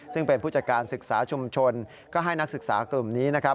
ซึ่งเป็นผู้จัดการศึกษาชุมชนก็ให้นักศึกษากลุ่มนี้นะครับ